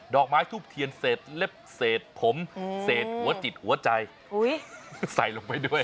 อกไม้ทูบเทียนเศษเล็บเศษผมเศษหัวจิตหัวใจใส่ลงไปด้วย